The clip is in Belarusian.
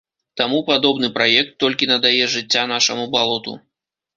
Таму падобны праект толькі надае жыцця нашаму балоту.